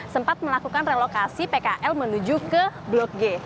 sempat melakukan relokasi pkl menuju ke blok g